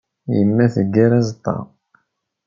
Yemma teggar aẓeṭṭa.